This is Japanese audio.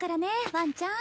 ワンちゃん。